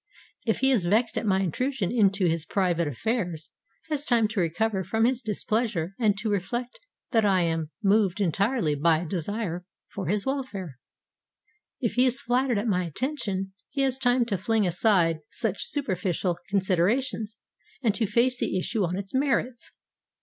If he is vexed at my intrusion into his private affairs, he has time to recover from his displeasure and to reflect that I am moved entirely by a desire for his welfare. If he is flattered at my attention, he has time to fling aside such superficial considerations and to face the issue on its merits.